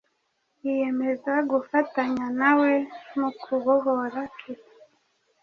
yiyemeza gufatanya nawe mu kubohora cuba